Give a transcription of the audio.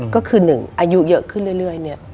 ก็คือ๑อายุเยอะขึ้นเรื่อยเนี่ย